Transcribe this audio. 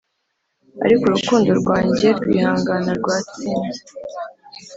ariko urukundo rwanjye rwihangana rwatsinze.